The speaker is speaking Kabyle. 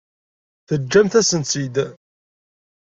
Teǧǧamt-asen-tt-id.